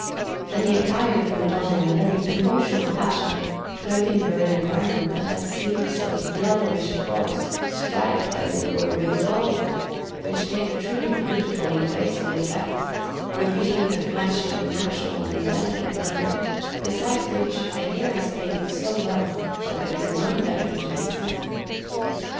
And he attired the Madonna in a very unusual fashion, clothing her in a garment that had sleeves of yellowish gauze, striped, as it were, with gold, which gave a truly beautiful and graceful effect, revealing the flesh in a natural and delicate manner; besides which, the hair is painted so well that there is none better to be seen.